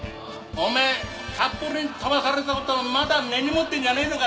おめえ札幌に飛ばされたことをまだ根に持ってんじゃねえのか